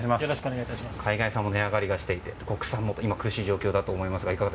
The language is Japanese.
海外産も値上がりしていて国産も今、苦しい状況だと思いますが。